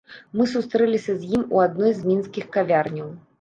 Мы сустрэліся з ім у адной з мінскіх кавярняў.